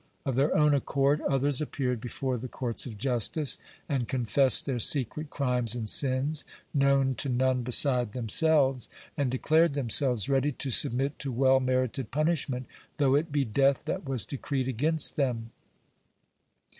Of their own accord others appeared before the courts of justice, and confessed their secret crimes and sins, known to none beside themselves, and declared themselves ready to submit to well merited punishment, though it be death that was decreed against them.